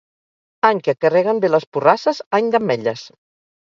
Any que carreguen bé les porrasses, any d'ametlles.